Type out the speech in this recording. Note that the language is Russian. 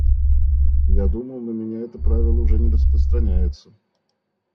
Я думал на меня это правило уже не распространяется.